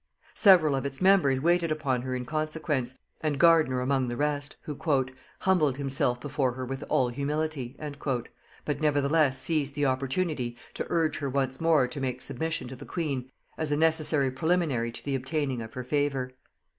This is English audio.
Several of its members waited upon her in consequence, and Gardiner among the rest, who "humbled himself before her with all humility," but nevertheless seized the opportunity to urge her once more to make submission to the queen, as a necessary preliminary to the obtaining of her favor.